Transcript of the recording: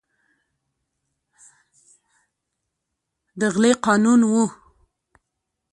د غلې قانون و.